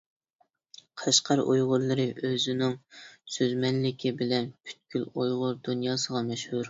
قەشقەر ئۇيغۇرلىرى ئۆزىنىڭ سۆزمەنلىكى بىلەن پۈتكۈل ئۇيغۇر دۇنياسىغا مەشھۇر.